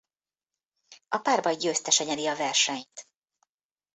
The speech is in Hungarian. A párbaj győztese nyeri a versenyt.